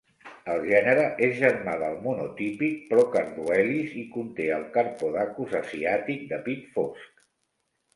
El gènere és germà del monotípic "Procarduelis" i conté el carpodacus asiàtic de pit fosc.